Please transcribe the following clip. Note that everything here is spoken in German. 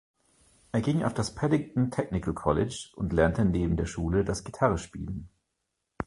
Er ging auf das Paddington Technical College und lernte neben der Schule das Gitarrespielen.